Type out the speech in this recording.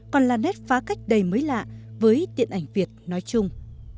còn là nét phá cách đầy mới lạ với tiện ảnh việt nói chung